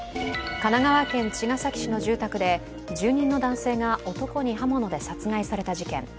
神奈川県茅ヶ崎市の住宅で住人の男性が男に刃物で殺害された事件。